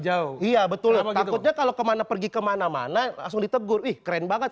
jauh iya betul takutnya kalau kemana pergi kemana mana langsung ditegur ih keren banget